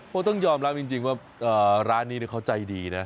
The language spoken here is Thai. ต้องยอมรับจริงว่าร้านนี้เขาใจดีนะ